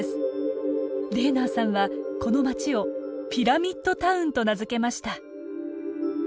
レーナーさんはこの町を「ピラミッド・タウン」と名付けました。